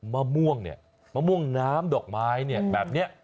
มะม่วงเนี่ยมะม่วงน้ำดอกไม้เนี่ยแบบนี้